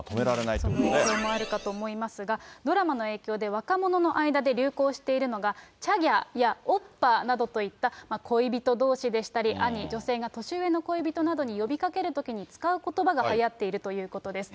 そんな事情もあるかと思いますが、ドラマの影響で、若者の間で流行しているのが、チャギヤやオッパなどといった、恋人どうしでしたり、兄、女性が年上の恋人などに呼びかけるときに使うことばがはやっているということです。